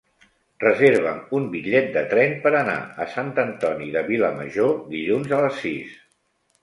Reserva'm un bitllet de tren per anar a Sant Antoni de Vilamajor dilluns a les sis.